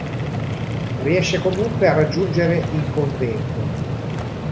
Riesce comunque a raggiungere il convento.